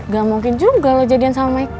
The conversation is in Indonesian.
gak mungkin juga lo jadian sama michael